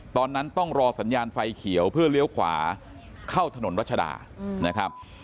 ตอนนั้นต้องรอสัญญาณไฟเขียวเพื่อเลี้ยวขวาเข้าถนนรัชดานะครับ